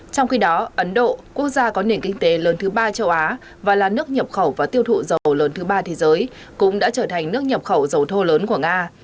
trong khi đó ấn độ quốc gia có nền kinh tế lớn thứ ba châu á và là nước nhập khẩu và tiêu thụ dầu lớn thứ ba thế giới cũng đã trở thành nước nhập khẩu dầu thô lớn của nga